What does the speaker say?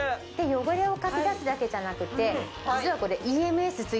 汚れをかき出すだけじゃなくて実はこれ。